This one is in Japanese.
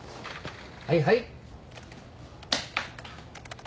はいはい。